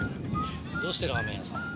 どうしてラーメン屋さん？